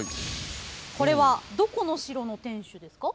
これはどこの城の天守ですか？